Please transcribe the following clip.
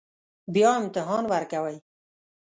بیا امتحان ورکوئ